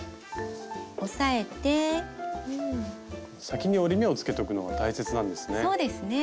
先に折り目をつけとくのが大切なんですね。